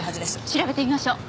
調べてみましょう。